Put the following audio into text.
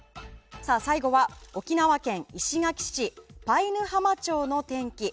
最後は沖縄県石垣市南ぬ浜町の天気。